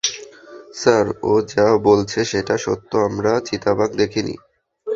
Sir, ও যা বলছে সেটা সত্য আমরা চিতাবাঘ দেখিনি।